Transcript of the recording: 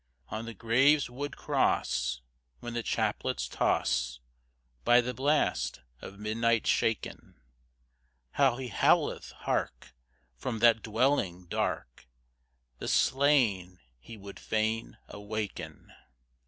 On the grave's wood cross When the chaplets toss, By the blast of midnight shaken, How he howleth! hark! From that dwelling dark The slain he would fain awaken.